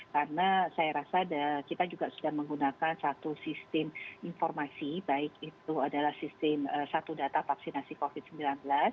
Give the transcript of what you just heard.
karena saya rasa kita juga sudah menggunakan satu sistem informasi baik itu adalah sistem satu data vaksinasi covid sembilan belas